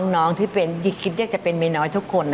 น้องที่เป็นคิดอยากจะเป็นเมียน้อยทุกคน